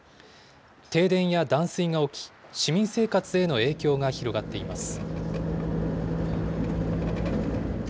停電や断水が起き、市民生活への影響が広がっています。